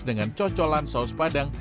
dengan cocolan saus padang